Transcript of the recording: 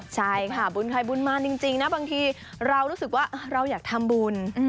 ใช่ค่ะบุญใครบุญมารจริงนะบางทีเรารู้สึกว่าเราอยากทำบุญ